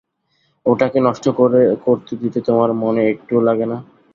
ওটাকে নষ্ট করতে দিতে তোমার মনে একটুও লাগে না!